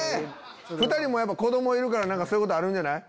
２人も子供いるからそういうことあるんじゃない？